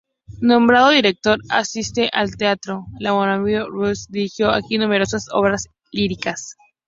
Nombrado director asistente del teatro La Monnaie de Bruselas, dirigió aquí numerosas obras líricas.